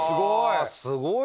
すごい！